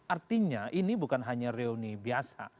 artinya ini bukan hanya reuni biasa